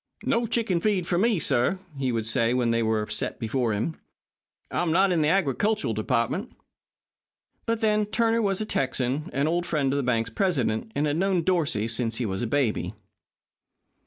"No chicken feed for me," he would say when they were set before him. "I'm not in the agricultural department." But, then, Turner was a Texan, an old friend of the bank's president, and had known Dorsey since he was a baby.